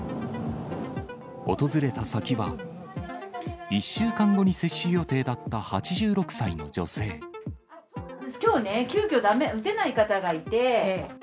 訪れた先は、１週間後に接種きょうね、急きょ、打てない方がいて。